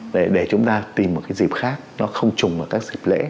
để chúng ta tìm một cái dịp khác nó không trùng vào các dịp lễ